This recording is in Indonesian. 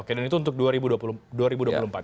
oke dan itu untuk dua ribu dua puluh empat